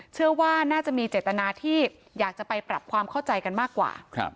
เชื่อว่าน่าจะมีเจตนาที่อยากจะไปปรับความเข้าใจกันมากกว่า